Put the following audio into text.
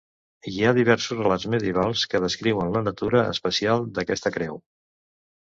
Hi ha diversos relats medievals que descriuen la natura especial d'aquesta creu.